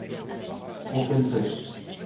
pour qu'elles pêchent.